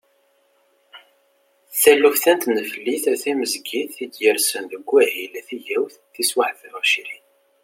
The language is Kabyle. Taluft-a n tneflit timezgit i d-yersen deg wahil tigawt tis waḥedd u ɛecrin.